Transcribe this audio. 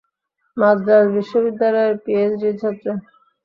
মাদ্রাজ বিশ্ববিদ্যালয়ের পিএইচডির ছাত্র?